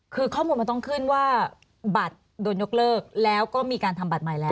คือข้อมูลมันต้องขึ้นว่าบัตรโดนยกเลิกแล้วก็มีการทำบัตรใหม่แล้ว